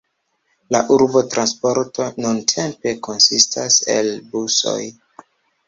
La urba transporto nuntempe konsistas el busoj.